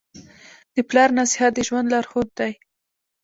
د پلار نصیحت د ژوند لارښود دی.